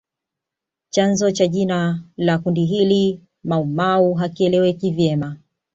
Chanzo cha jina la kundi hili Maumau hakieleweki vyema